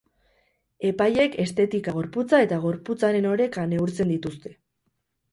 Epaileek estetika, gorputza eta gorputzaren oreka neurtzen dituzte.